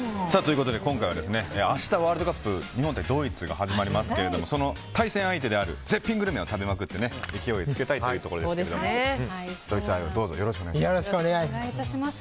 今回は、明日ワールドカップ日本対ドイツが始まりますがその対戦相手である絶品グルメを食べまくって勢いつけたいというところですがよろしくお願いします。